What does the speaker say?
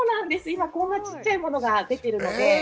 今、こんなちっちゃいものが出ているので。